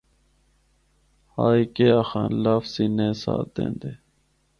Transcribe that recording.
ہائے کے آخاں، لفظ ہی نے ساتھ دیندے۔